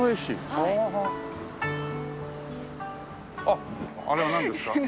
あっあれはなんですか？